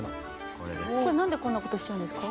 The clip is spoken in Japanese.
これ何でこんなことしちゃうんですか？